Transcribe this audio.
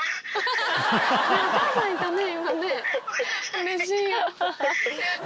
うれしいよ。